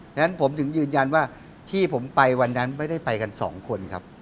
ฉะนั้นผมถึงยืนยันว่าที่ผมไปวันนั้นไม่ได้ไปกันสองคนครับ